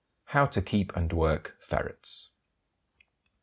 HOW TO KEEP AND WORK FERRETS.